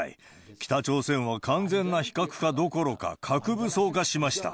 北朝鮮は完全な非核化どころか、核武装化しました。